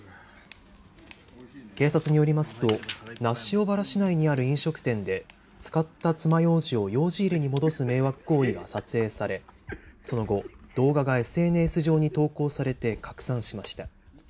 警察によりますと那須塩原市内にある飲食店で使ったつまようじをようじ入れに戻す迷惑行為が撮影され、その後動画がＳＮＳ上に投稿されて拡散しました。